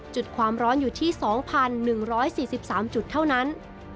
จุดความร้อนอยู่ที่๒๑๔๓จุดเท่านั้น